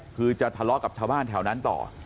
คือจะทะเลาะกับชาวบ้านแถวนั้นต่อ